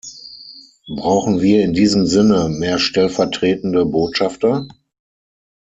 Brauchen wir in diesem Sinne mehr stellvertretende Botschafter?